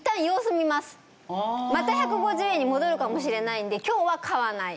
また１５０円に戻るかもしれないんで今日は買わない。